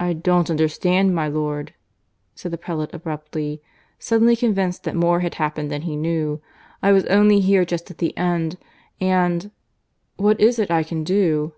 "I don't understand, my lord," said the prelate abruptly, suddenly convinced that more had happened than he knew. "I was only here just at the end, and .... what is it I can do?"